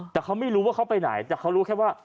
แต่เขาไม่รู้ว่าเขาไปไหนแต่เขารู้แค่ว่า